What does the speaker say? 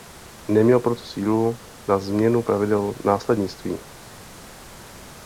Neměl proto sílu na změnu pravidel následnictví.